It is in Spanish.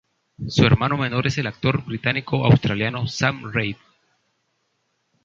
Su hermano menor es el actor británico-australiano Sam Reid.